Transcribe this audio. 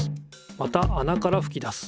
またあなからふき出す。